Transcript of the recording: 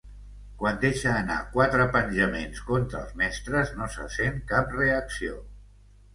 Quan deixa anar quatre penjaments contra els mestres no se sent cap reacció.